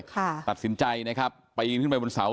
ค่ะตัดสินใจนะครับไปยิงขึ้นไปบนเสา